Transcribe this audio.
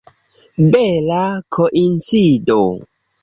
Bela koincido!